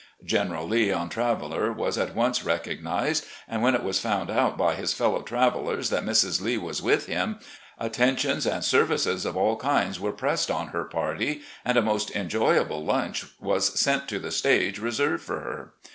General Lee on Traveller was at once recognised, and when it was found out by his fellow travellers that Mrs. Lee was with him, attentions and services of all kinds were pressed on her party, and a most enjoyable lunch was sent to the stage reserved for her.